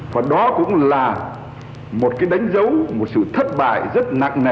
và đó cũng là một cái đánh dấu một sự thất bại rất nặng nề